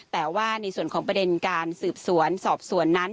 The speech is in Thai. แต่ว่าในส่วนของประเด็นการสืบสวนสอบสวนนั้น